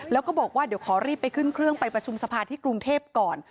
แล้วก็บอกว่าเดี๋ยวขอรีบไปขึ้นเครื่องไปประชุมสภาที่กรุงเทพก่อน